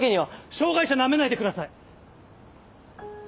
障がい者ナメないでください。